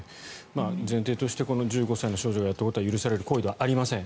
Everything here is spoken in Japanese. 前提として１５歳の少女がやったことは許される行為ではありません。